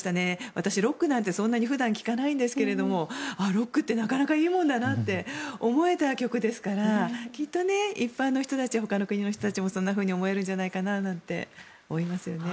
私、ロックなんてそんなに普段聴かないんですがロックってなかなかいいもんだなって思えた曲ですからきっと、一般の人たちほかの国の人たちもそんなふうに思えるんじゃないかななんて思いますよね。